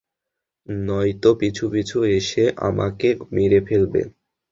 নয়তো পিছু পিছু এসে আমাকে মেরে ফেলবে।